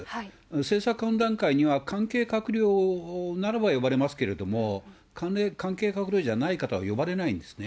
政策懇談会には関係閣僚ならば呼ばれますけれども、関係閣僚じゃない方は呼ばれないんですね。